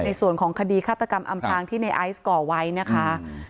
ในส่วนของคดีฆาตกรรมอำพลางที่ในไอซ์ก่อไว้นะคะ